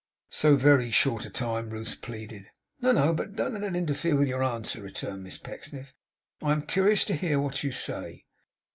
'So very short a time,' Ruth pleaded. 'No, no; but don't let that interfere with your answer,' returned Miss Pecksniff. 'I am curious to hear what you say.